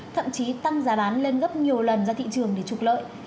thậm chí tăng giá bán lên gấp nhiều lần ra thị trường để trục lợi